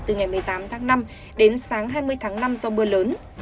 từ ngày một mươi tám tháng năm đến sáng hai mươi tháng năm do mưa lớn